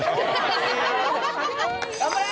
頑張れ！